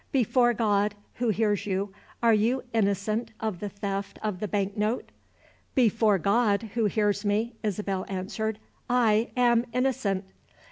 Before God, who hears you, are you innocent of the theft of the bank note?" "Before God, who hears me," Isabel answered, "I am innocent."